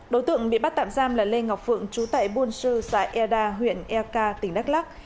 đối tượng bị bắt tạm giam là lê ngọc phượng trú tại buôn sư xã e đa huyện e ca tp đắk lắc